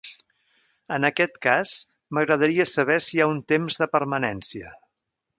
En aquest cas, m'agradaria saber si hi ha un temps de permanència.